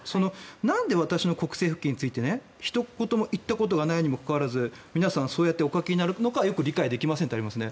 なんで私の国政復帰についてひと言も言ったことがないにもかかわらず皆さんそうやってお書きになるのかよく理解できませんとありますね。